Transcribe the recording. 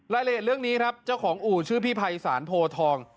รายละเอียดเรื่องนี้ครับเจ้าของอู่ชื่อพี่ภัยศาลโพทอง